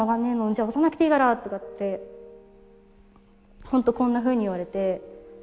んじゃ押さなくていいがら」とかって。本当こんなふうに言われて。